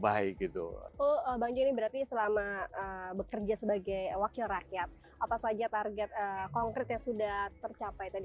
pak banjo ini berarti selama bekerja sebagai wakil rakyat apa saja target konkret yang sudah tercapai